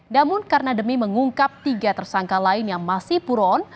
namun karena demi mengungkap tiga tersangka lain yang masih buron